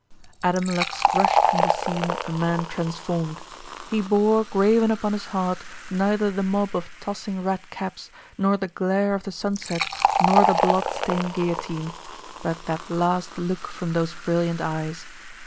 Adam Lux rushed from the scene a man transformed. He bore graven upon his heart neither the mob of tossing red caps nor the glare of the sunset nor the blood stained guillotine, but that last look from those brilliant eyes.